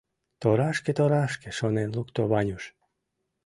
Торашке-торашке, — шонен лукто Ванюш.